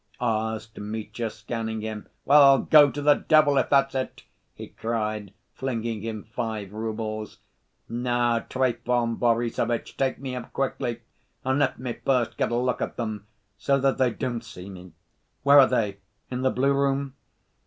asked Mitya, scanning him. "Well, go to the devil, if that's it!" he cried, flinging him five roubles. "Now, Trifon Borissovitch, take me up quietly and let me first get a look at them, so that they don't see me. Where are they? In the blue room?"